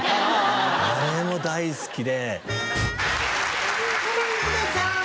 あれも大好きで。